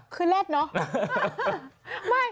คือแรดเนอะ